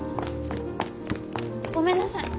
ごめんなさい。